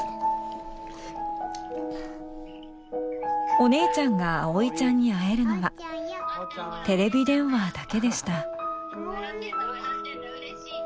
お姉ちゃんが葵ちゃんに会えるのはテレビ電話だけでした。